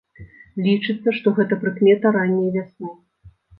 Лічыцца, што гэта прыкмета ранняй вясны.